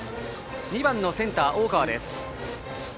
２番のセンター大川です。